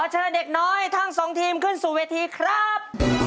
เชิญเด็กน้อยทั้งสองทีมขึ้นสู่เวทีครับ